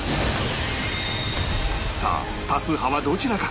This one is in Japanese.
さあ多数派はどちらか？